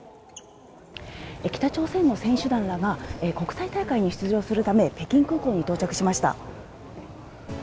北朝鮮の選手団らが、国際大会に出場するため、北京空港に到着しました。